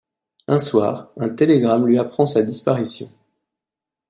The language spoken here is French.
Un soir, un télégramme lui apprend sa disparition.